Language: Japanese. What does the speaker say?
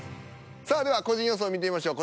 さあでは個人予想見てみましょう。